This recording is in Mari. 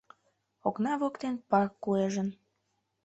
Окна воктен пар куэжын